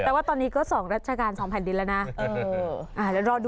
แต่ว่าตอนนี้ก็๒รัชกาล๒แผ่นดินแล้วนะ